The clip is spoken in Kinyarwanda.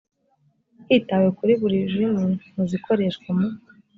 hitawe kuri buri rurimi mu zikoreshwa mu